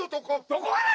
どこがだ